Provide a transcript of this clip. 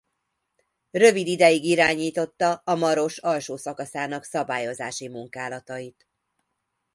Rövid ideig irányította a Maros alsó-szakaszának szabályozási munkálatait.